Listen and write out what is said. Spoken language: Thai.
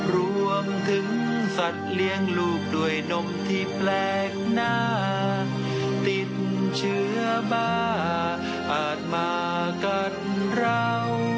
รวมถึงสัตว์เลี้ยงลูกด้วยนมที่แปลกหน้าติดเชื้อบ้าอาจมากันเรา